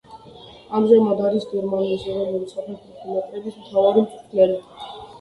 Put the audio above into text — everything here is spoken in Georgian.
ამჟამად არის გერმანიის ეროვნული საფეხბურთო ნაკრების მთავარი მწვრთნელი.